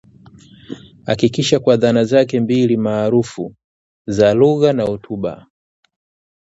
Hakikisha kwa dhana zake mbili maarufu za lugha na hotuba